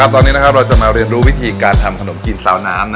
ตอนนี้เราจะมาเรียนรู้วิธีการทำขนมจีนซาวน้ำ